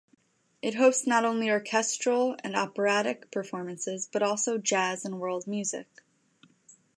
It hosts not only orchestral and operatic performances, but also jazz and world music.